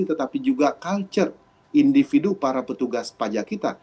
tetapi juga culture individu para petugas pajak kita